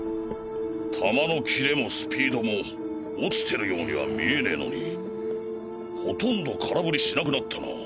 球のキレもスピードも落ちてるようには見えねえのにほとんど空振りしなくなったな。